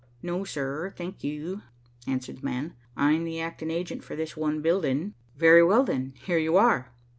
"No, sir, thank you," answered the man, "I'm the acting agent for this one building." "Very well, then. Here you are."